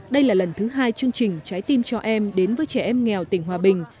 đây là lần thứ hai chương trình trái tim cho em đến với trẻ em nghèo tỉnh hòa bình